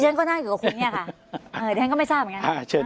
ฉันก็นั่งอยู่กับคุณเนี่ยค่ะฉันก็ไม่ทราบเหมือนกัน